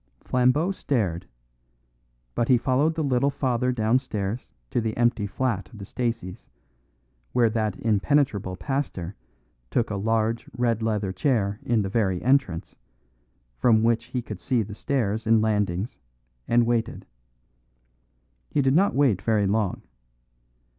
Flambeau stared; but he followed the little father downstairs to the empty flat of the Staceys, where that impenetrable pastor took a large red leather chair in the very entrance, from which he could see the stairs and landings, and waited. He did not wait very long.